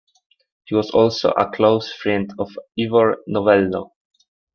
He was also a close friend of Ivor Novello.